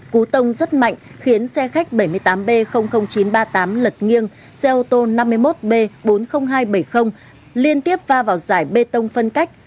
cú tông rất mạnh khiến xe khách bảy mươi tám b chín trăm ba mươi tám lật nghiêng xe ô tô năm mươi một b bốn mươi nghìn hai trăm bảy mươi liên tiếp va vào giải bê tông phân cách